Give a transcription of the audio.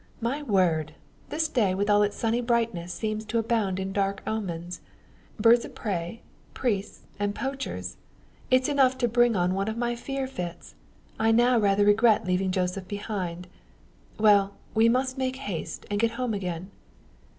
My word! this day with all its sunny brightness seems to abound in dark omens. Birds of prey, priests, and poachers! It's enough to bring on one of my fear fits. I now rather regret leaving Joseph behind. Well; we must make haste, and get home again."